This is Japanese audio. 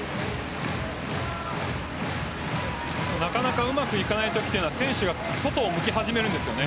なかなかうまくいかないときは選手が外を向き始めるんです。